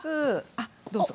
あどうぞ。